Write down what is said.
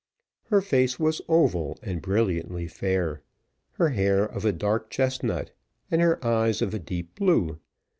Her face was oval, and brilliantly fair. Her hair of a dark chestnut, and her eyes of a deep blue.